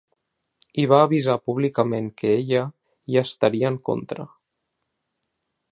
I va avisar públicament que ella ‘hi estaria en contra’.